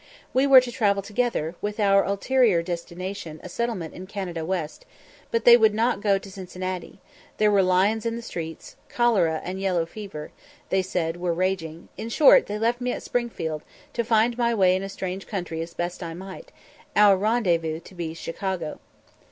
We were to travel together, with our ulterior destination a settlement in Canada West, but they would not go to Cincinnati; there were lions in the street; cholera and yellow fever, they said, were raging; in short, they left me at Springfield, to find my way in a strange country as best I might; our rendezvous to be Chicago.